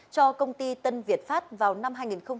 cho công ty tân việt phát vào năm hai nghìn một mươi bảy